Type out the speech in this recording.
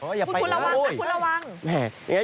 คุณระวังนะคุณระวัง